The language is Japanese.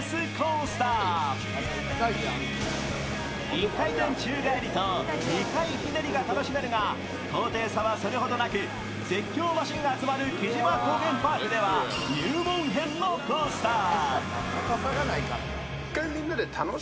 １回転宙返りと２回ひねりが楽しめるが高低差はそれほどなく、絶叫マシンが集まる城島高原パークでは入門編のコースター。